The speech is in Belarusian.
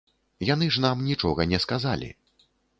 Яны ж нам нічога не сказалі.